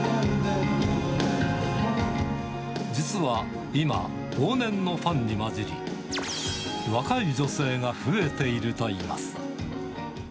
実は今、往年のファンに交じり、若い女性が増えているといいます。